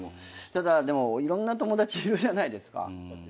ただでもいろんな友達いるじゃないですか。